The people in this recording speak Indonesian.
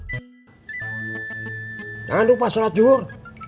jangan lupa sholat juhur